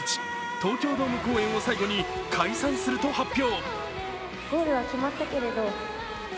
東京ドーム公演を最後に解散すると発表。